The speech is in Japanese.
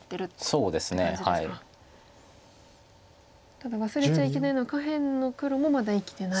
ただ忘れちゃいけないのは下辺の黒もまだ生きてない。